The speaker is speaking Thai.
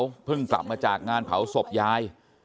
เขาเพิ่งกลับมาจากงานเผาศพยาย